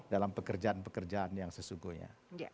dalam pekerjaan pekerjaan yang sesungguhnya